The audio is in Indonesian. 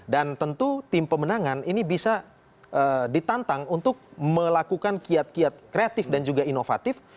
dan tentu tim pemenangan ini bisa ditantang untuk melakukan kiat kiat kreatif dan juga inovatif